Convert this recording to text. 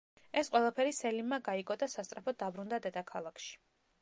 ეს ყველაფერი სელიმმა გაიგო და სასწრაფოდ დაბრუნდა დედაქალაქში.